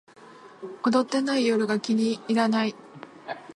踊ってない夜が気に入らない